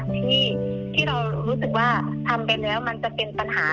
ที่เรารู้สึกว่าทำไปแล้วมันจะเป็นปัญหา